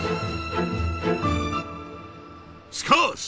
しかし！